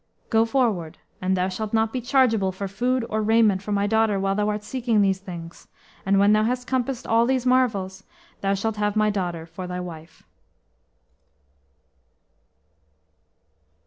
"Go forward. And thou shalt not be chargeable for food or raiment for my daughter while thou art seeking these things; and when thou hast compassed all these marvels, thou shalt have my daughter for thy wife."